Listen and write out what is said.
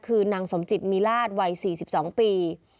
คือนางสมจิตมีราชวัย๔๒ปี